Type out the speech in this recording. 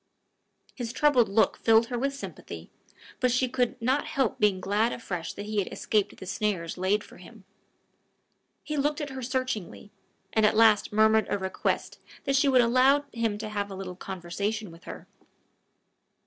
His troubled look filled her with sympathy, but she could not help being glad afresh that he had escaped the snares laid for him. He looked at her searchingly, and at last murmured a request that she would allow him to have a little conversation with her.